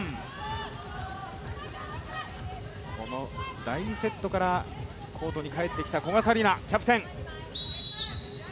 この第２セットからコートに帰ってきた古賀紗理那キャプテン。